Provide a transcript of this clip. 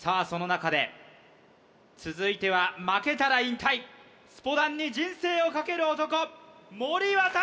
その中で続いては負けたら引退スポダンに人生を懸ける男森渉！